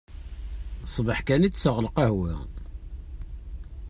Ṣbeḥ kan i tesseɣ lqahwa.